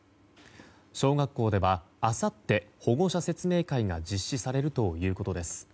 小学校ではあさって保護者説明会が実施されるということです。